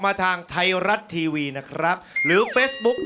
ออกออกออกออกออกออกออกออกออกออก